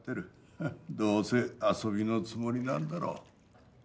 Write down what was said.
フッどうせ遊びのつもりなんだろう。